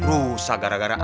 rusak gara gara abang